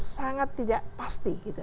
sangat tidak pasti gitu